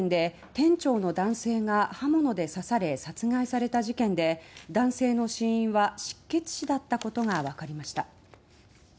横浜市のラーメン店で店長の男性が刃物で刺され殺害された事件で男性の死因は失血死だったことがわかりました。